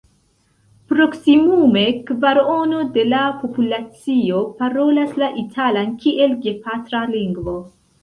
Proksimume kvarono de la populacio parolas la italan kiel gepatra lingvo.